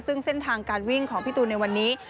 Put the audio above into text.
ซึ่งเส้นทางการวิ่งของพี่ตูนในวันนี้